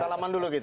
salam dulu kita